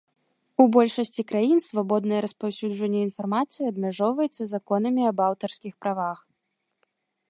У большасці краін свабоднае распаўсюджванне інфармацыі абмяжоўваецца законамі аб аўтарскіх правах.